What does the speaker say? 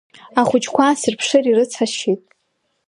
Ахәыҷқәа аасырԥшыр, ирыцҳасшьеит.